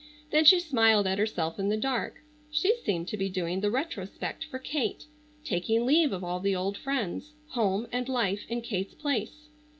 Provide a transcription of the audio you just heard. Then she smiled at herself in the dark. She seemed to be doing the retrospect for Kate, taking leave of all the old friends, home, and life, in Kate's place.